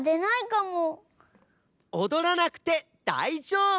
おどらなくてだいじょうぶ！